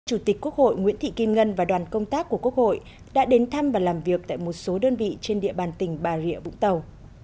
chủ tịch quốc hội nguyễn thị kim ngân và đoàn công tác của quốc hội đã đến thăm và làm việc tại một số đơn vị trên địa bàn tỉnh bà rịa vũng tàu